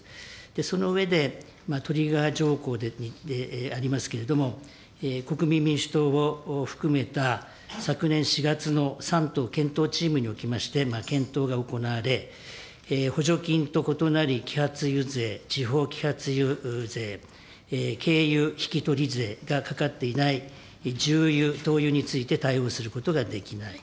その上で、トリガー条項でありますけれども、国民民主党を含めた昨年４月の３党検討チームにおきまして、検討が行われ、補助金と異なり、揮発油税、地方揮発油税、軽油引取税がかかっていない重油、灯油について対応することができない。